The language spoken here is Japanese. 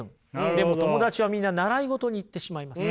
でも友達はみんな習い事に行ってしまいます。